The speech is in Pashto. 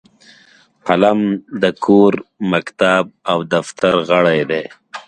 قلم د کور، مکتب او دفتر غړی دی